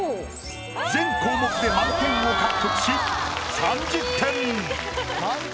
全項目で満点を獲得し３０点。